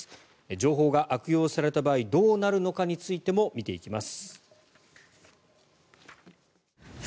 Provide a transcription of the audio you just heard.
情報が悪用された場合どうなるのかについても見ていきます。